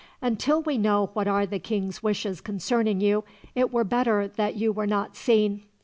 "Until we know what are the king's wishes concerning you, it were better that you were not seen.